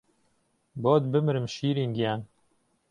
بۆت بمرم شیرین گیان